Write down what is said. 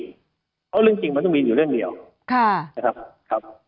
เพราะเรื่องจริงมันต้องมีอยู่เรื่องเดียวนะครับ